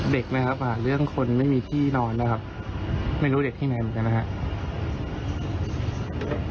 ไหมครับเรื่องคนไม่มีที่นอนนะครับไม่รู้เด็กที่ไหนเหมือนกันนะครับ